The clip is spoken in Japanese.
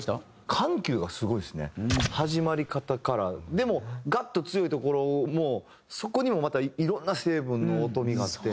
始まり方からでもガッと強いところもそこにもまたいろんな成分の音になって。